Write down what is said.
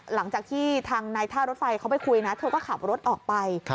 หลังจากที่ทางนายท่ารถไฟเขาไปคุยนะเธอก็ขับรถออกไป